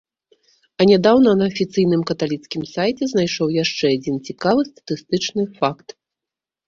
А нядаўна на афіцыйным каталіцкім сайце знайшоў яшчэ адзін цікавы статыстычны факт.